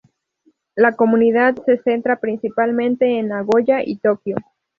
La Comunidad se centra principalmente en Nagoya y Tokio.